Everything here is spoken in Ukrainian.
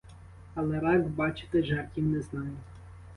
Але рак, бачите, жартів не знає.